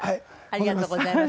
ありがとうございます。